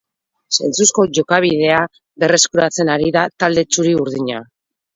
Zentzuzko jokabidea berreskuratzen ari da talde txuri-urdina.